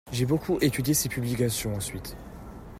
J’ai beaucoup étudié ses publications ensuite.